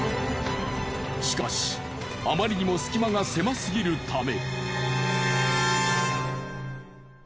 しかしあまりにも隙間が狭すぎるため。